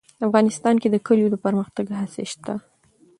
افغانستان کې د کلیو د پرمختګ هڅې شته.